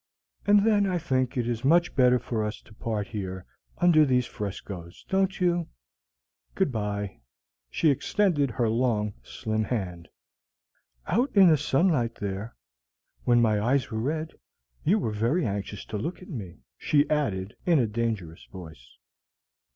"And then I think it much better for us to part here under these frescos, don't you? Good by." She extended her long, slim hand. "Out in the sunlight there, when my eyes were red, you were very anxious to look at me," she added, in a dangerous voice.